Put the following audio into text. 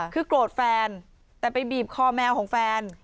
คือโกรธแฟนแต่ไปบีบคอแมวของแฟน